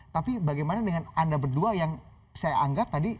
tapi bagaimana dengan anda berdua yang saya anggap tadi